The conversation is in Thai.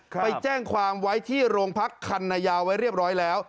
ไปแจ้งความไว้ที่โรงพักคันนายาวไว้เรียบร้อยแล้ว